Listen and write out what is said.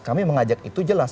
kami mengajak itu jelas